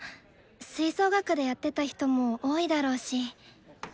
吹奏楽でやってた人も多いだろうし。